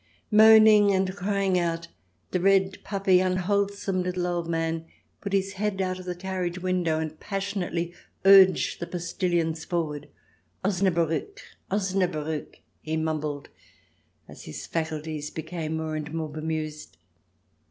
Moaning and crying out, the red, puffy, unwholesome little old man put his head out of the carriage window and passion ately urged the postilions forward. " Osnabriick I Osnabriick !" he mumbled, as his faculties became more and more bemused.